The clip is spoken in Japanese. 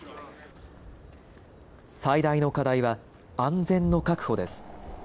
最大の課題は安全の確保です。